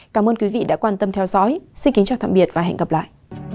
cảm ơn quý vị đã quan tâm theo dõi xin kính chào và hẹn gặp lại